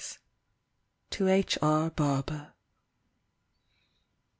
To H. R Barbor.